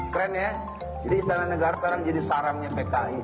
keren ya jadi istana negara sekarang jadi sarangnya pki